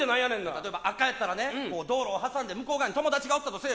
例えば赤やったらね道路を挟んで向こう側に友達がおったとせや。